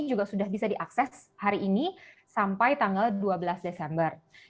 juga sudah bisa diakses hari ini sampai tanggal dua belas desember